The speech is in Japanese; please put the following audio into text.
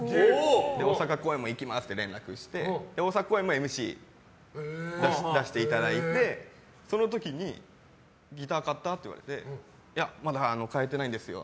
大阪公演も行きますって連絡して大阪公演もＭＣ出していただいてその時にギター買った？って言われてまだ買えてないんですよ。